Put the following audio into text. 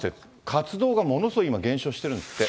活動がものすごい、今、減少してるんですって。